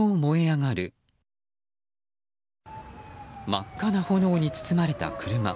真っ赤な炎に包まれた車。